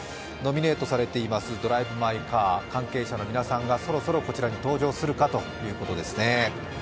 ノミネートされています、「ドライブ・マイ・カー」関係者の皆さんが、そろそろこちらに登場するかというところですね。